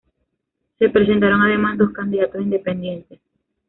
Se presentaron además dos candidatos independientes.